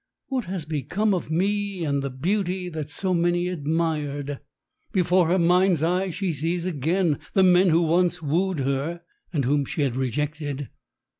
"What has become of me and the beauty that so many admired?" Before her mind's eye she sees again the men who once wooed her and whom she had rejected.